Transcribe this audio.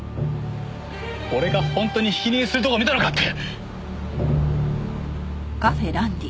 俺が本当にひき逃げするところを見たのかって！